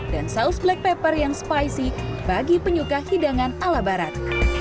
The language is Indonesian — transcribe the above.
dan saus black pepper yang spicy bagi penyuka hidangan ala barat